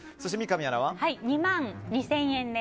２万２０００円で。